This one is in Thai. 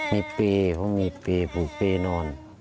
มีปีพ่อมีปีผูปีนอน